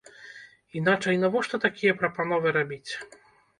Іначай навошта такія прапановы рабіць?